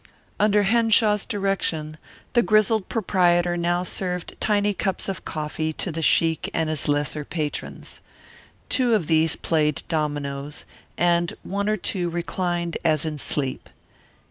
Under Henshaw's direction the grizzled proprietor now served tiny cups of coffee to the sheik and his lesser patrons. Two of these played dominoes, and one or two reclined as in sleep.